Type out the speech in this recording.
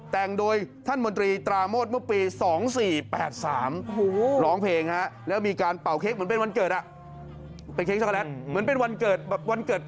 แต่งโดยท่านมนตรีตราโมทเมื่อปี๒๔๘๓